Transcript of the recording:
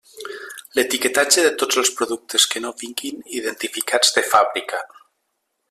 L'etiquetatge de tots els productes que no vinguin identificats de fàbrica.